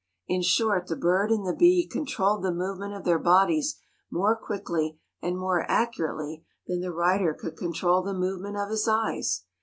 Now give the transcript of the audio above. In short, the bird and the bee controlled the movement of their bodies more quickly and more accurately than the writer could control the movement of his eyes.